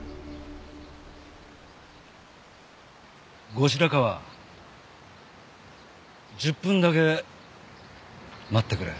後白河１０分だけ待ってくれ。